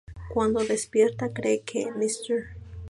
Cuándo despierta cree que Mr.